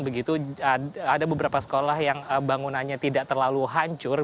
begitu ada beberapa sekolah yang bangunannya tidak terlalu hancur